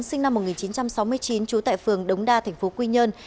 sinh năm một nghìn chín trăm sáu mươi chín trú tại phường đống đa thành phố quy nhơn